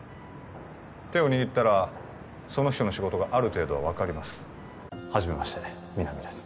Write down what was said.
手を握ったらその人の仕事がある程度は分かりますはじめまして皆実です